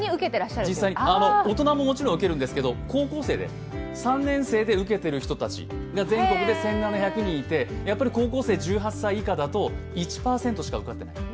大人ももちろん受けるんですが、高校生で３年生で受けている人たちが全国で１７００人いて高校生１８歳以下だと１％しか受かってない。